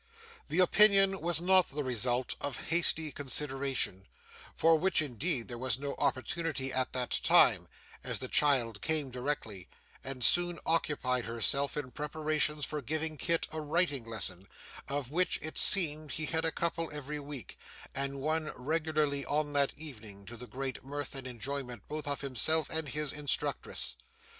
The opinion was not the result of hasty consideration, for which indeed there was no opportunity at that time, as the child came directly, and soon occupied herself in preparations for giving Kit a writing lesson, of which it seemed he had a couple every week, and one regularly on that evening, to the great mirth and enjoyment both of himself and his instructress.